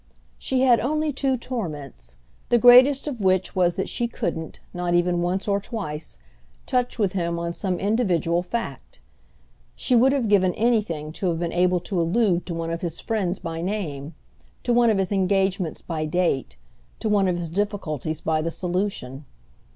She had only two torments; the greatest of which was that she couldn't, not even once or twice, touch with him on some individual fact. She would have given anything to have been able to allude to one of his friends by name, to one of his engagements by date, to one of his difficulties by the solution.